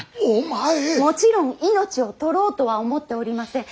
もちろん命を取ろうとは思っておりません。